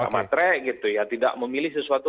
matre gitu ya tidak memilih sesuatu